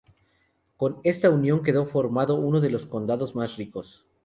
Con esta unión quedó formado uno de los condados más ricos.